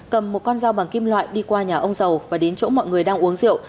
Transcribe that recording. cầm một con dao bằng kim loại đi qua nhà ông dầu và đến chỗ mọi người đang uống rượu